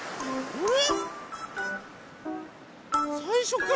あれ？